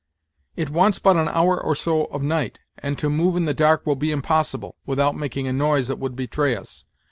"It wants but an hour or so of night, and to move in the dark will be impossible, without making a noise that would betray us.